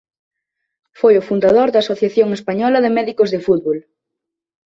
Foi o fundador da Asociación Española de Médicos de Fútbol.